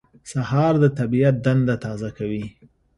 سهار د طبیعت دنده تازه کوي.